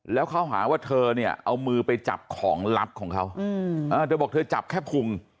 แล้วเขาหาว่าเธอเนี่ยเอามือไปจับของลับของเขาเธอบอกเธอจับแค่พุง